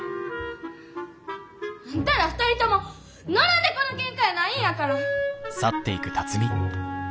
あんたら２人とも野良猫のケンカやないんやから！